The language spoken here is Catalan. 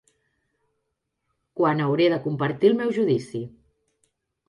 Quan hauré de compartir el meu judici.